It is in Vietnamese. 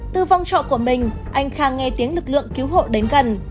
từ vòng trọ của mình anh khang nghe tiếng lực lượng cứu hộ đến gần